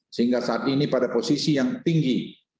sehingga saat ini pada posisi yang tinggi